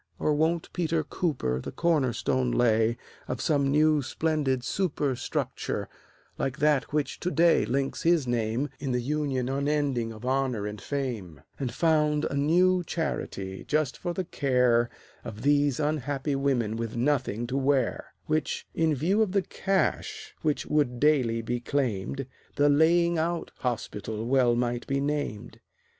Or won't Peter Cooper The corner stone lay of some new splendid super Structure, like that which to day links his name In the Union unending of Honor and Fame, And found a new charity just for the care Of these unhappy women with nothing to wear, Which, in view of the cash which would daily be claimed, The Laying out Hospital well might be named?